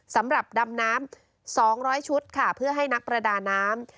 สำหรับดำน้ำ๒๐๐ชุดค่ะเพื่อให้นักประดาน้ำ